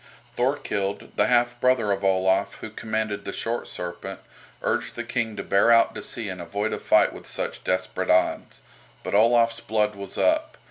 Thorkild, the half brother of Olaf, who commanded the "Short Serpent," urged the King to bear out to sea and avoid a fight with such desperate odds. But Olaf's blood was up.